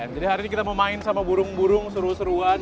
jadi hari ini kita mau main sama burung burung seru seruan